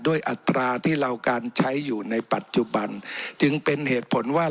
อัตราที่เราการใช้อยู่ในปัจจุบันจึงเป็นเหตุผลว่า